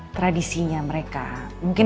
tradisinya mereka mungkin